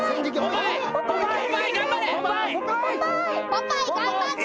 ポパイ頑張って。